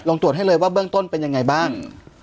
ตรวจให้เลยว่าเบื้องต้นเป็นยังไงบ้าง